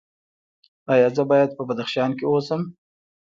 ایا زه باید په بدخشان کې اوسم؟